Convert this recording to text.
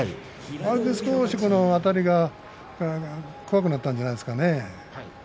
あれから少し、あたりが怖くなったんじゃないですかね。